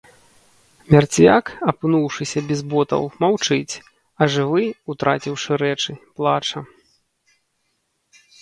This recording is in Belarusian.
Мярцвяк, апынуўшыся без ботаў, маўчыць, а жывы, утраціўшы рэчы, плача.